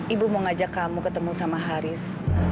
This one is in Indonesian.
ibu mau ngajak kamu ketemu sama haris